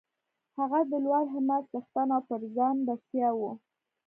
هغه د لوړ همت څښتن او پر ځان بسیا و